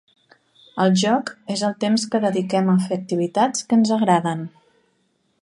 El joc és el temps que dediquem a fer activitats que ens agraden.